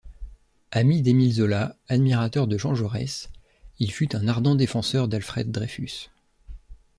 Ami d'Émile Zola, admirateur de Jean Jaurès, il fut un ardent défenseur d'Alfred Dreyfus.